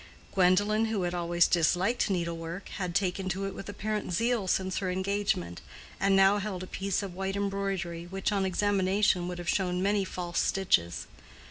Gwendolen, who had always disliked needlework, had taken to it with apparent zeal since her engagement, and now held a piece of white embroidery which, on examination, would have shown many false stitches.